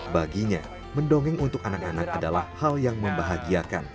baginya mendongeng untuk anak anak adalah hal yang membahagiakan